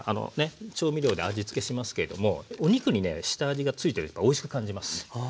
調味料で味つけしますけれどもお肉にね下味がついてればおいしく感じます。